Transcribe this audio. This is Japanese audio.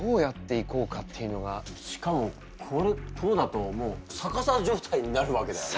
しかもこれこうだともう逆さ状態になるわけだよな。